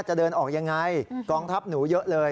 จะเดินออกยังไงกองทัพหนูเยอะเลย